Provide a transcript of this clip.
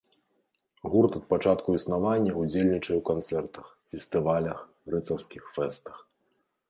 Гурт ад пачатку існавання ўдзельнічае ў канцэртах, фестывалях, рыцарскіх фэстах.